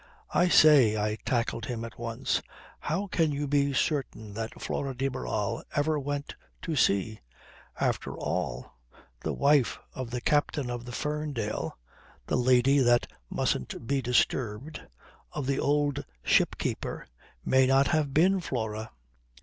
"I say," I tackled him at once, "how can you be certain that Flora de Barral ever went to sea? After all, the wife of the captain of the Ferndale " the lady that mustn't be disturbed "of the old ship keeper may not have been Flora."